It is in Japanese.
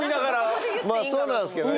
まあそうなんですけどね。